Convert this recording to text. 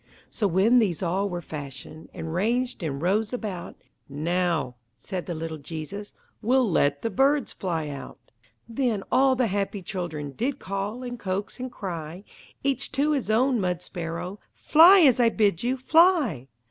So, when these all were fashioned, And ranged in rows about, "Now," said the little Jesus, "We'll let the birds fly out." Then all the happy children Did call, and coax, and cry Each to his own mud sparrow: "Fly, as I bid you! Fly!"